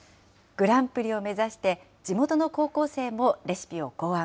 グランプリを目指して、地元の高校生もレシピを考案。